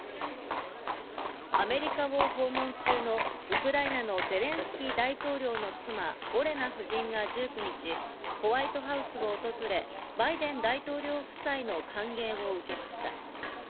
アメリカを訪問中のウクライナのゼレンスキー大統領の妻・オレナ夫人が１９日、ホワイトハウスを訪れ、バイデン大統領夫妻の歓迎と受けました。